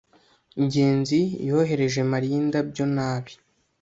ngenzi yohereje mariya indabyo nabi